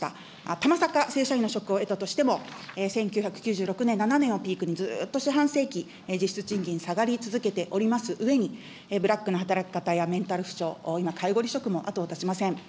たまさか、正社員の職を得たとしても、１９９６年、７年をピークに、ずっと四半世紀、実質賃金、下がり続けておりますうえに、ブラックな働き方やメンタル不調、今、介護離職も後を絶ちません。